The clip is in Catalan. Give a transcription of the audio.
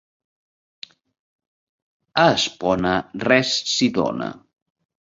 A Espona, res s'hi dóna.